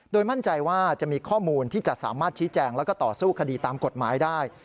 มั่นใจว่าจะมีข้อมูลที่จะสามารถชี้แจงแล้วก็ต่อสู้คดีตามกฎหมายได้